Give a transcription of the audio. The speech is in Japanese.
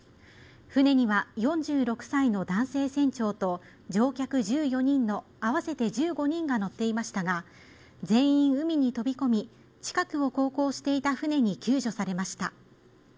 船には４６歳の男性船長と乗客１４人の合わせて１５人が乗っていましたが全員海に飛び込み近くを航行していた船に救助されました